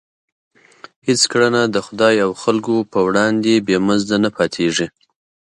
هېڅ کړنه د خدای او خلکو په وړاندې بې مزده نه پاتېږي.